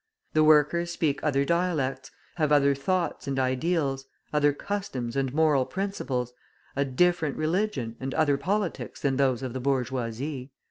The workers speak other dialects, have other thoughts and ideals, other customs and moral principles, a different religion and other politics than those of the bourgeoisie.